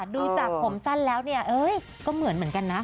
ดูจากผมสั้นแล้วเนี่ยก็เหมือนกันนะ